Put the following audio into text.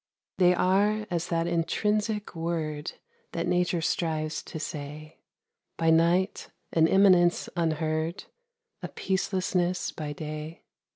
They are as that intrinsic word That Nature strives to say By night an immanence unheard, A peacelessness by day.